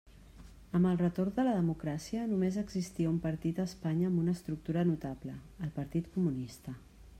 Amb el retorn de la democràcia, només existia un partit a Espanya amb una estructura notable: el Partit Comunista.